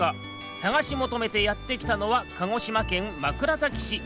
さがしもとめてやってきたのは鹿児島県枕崎市。